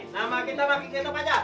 nama kita bagi kita saja